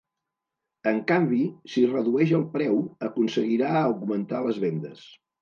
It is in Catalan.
En canvi, si redueix el preu, aconseguirà augmentar les vendes.